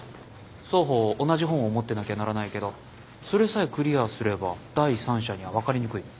双方同じ本を持ってなきゃならないけどそれさえクリアすれば第三者には分かりにくい。